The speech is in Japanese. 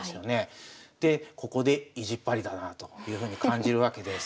ここで意地っ張りだなあというふうに感じるわけです。